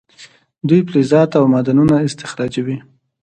دوی فلزات او معدنونه استخراجوي.